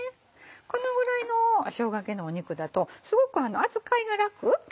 このぐらいのしょうが焼き用の肉だとすごく扱いが楽。